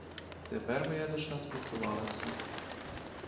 Тепер моя душа збунтувалася.